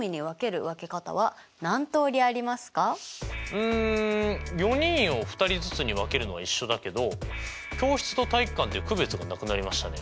うん４人を２人ずつに分けるのは一緒だけど教室と体育館で区別がなくなりましたね。